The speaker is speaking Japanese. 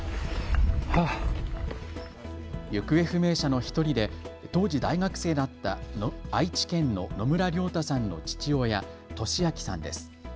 行方不明者の１人で当時、大学生だった愛知県の野村亮太さんの父親、敏明さんです。